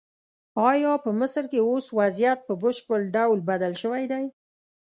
ایا په مصر کې اوس وضعیت په بشپړ ډول بدل شوی دی؟